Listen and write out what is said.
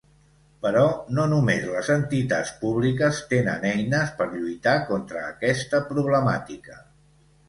Però no només les entitats públiques tenen eines per lluitar contra aquesta problemàtica.